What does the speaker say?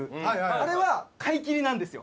あれは買い切りなんですよ。